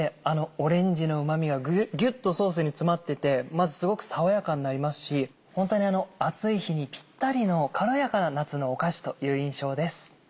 オレンジのうま味がギュっとソースに詰まっててまずすごく爽やかになりますしホントに熱い日にピッタリの軽やかな夏のお菓子という印象です。